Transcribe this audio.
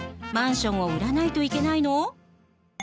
マンションを売らないといけないの？